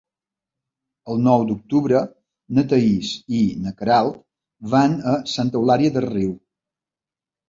El nou d'octubre na Thaís i na Queralt van a Santa Eulària des Riu.